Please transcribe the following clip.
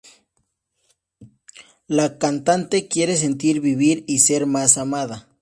La cantante quiere sentir, vivir y ser más amada.